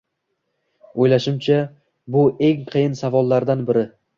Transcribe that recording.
Oʻylashimcha, bu eng qiyin savollardan biri.